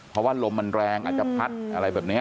เพราะว่าลมมันแรงอาจจะพัดอะไรแบบนี้